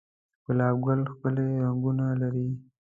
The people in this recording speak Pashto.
گلاب گل ښکلي رنگونه لري